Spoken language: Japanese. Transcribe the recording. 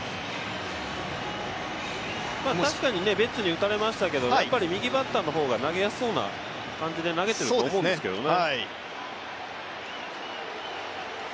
確かにベッツに打たれましたけと右バッターの方が投げやすそうな感じで投げていると思うんですけどね。